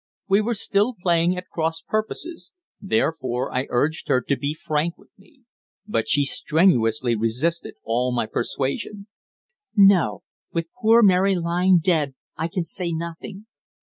We were still playing at cross purposes; therefore I urged her to be frank with me. But she strenuously resisted all my persuasion. "No. With poor Mary lying dead I can say nothing.